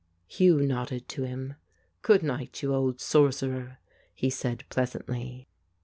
1 88 The Ape Hugh nodded to him. "Good night, you old sorcerer," he said pleas^ antly.